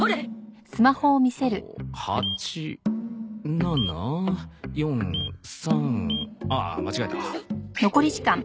えっと８７４３あっ間違えた。